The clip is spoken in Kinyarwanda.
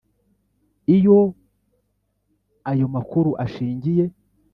Iyo ayo makuru ashingiye